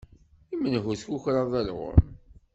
I menhu i d-tukreḍ alɣem?